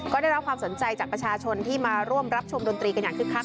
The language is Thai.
ก็ได้รับความสนใจจากประชาชนที่มาร่วมรับชมดนตรีกันอย่างคึกคัก